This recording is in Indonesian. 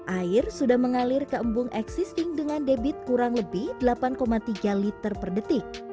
air sudah mengalir ke embung existing dengan debit kurang lebih delapan tiga liter per detik